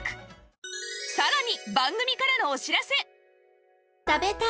さらに